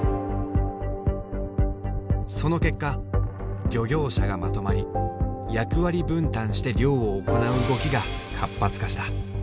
その結果漁業者がまとまり役割分担して漁を行う動きが活発化した。